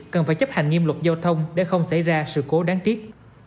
cần phải chấp hành nghiêm luật giao thông để không xảy ra sự cố đáng tiếc